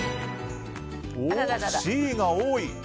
Ｃが多い！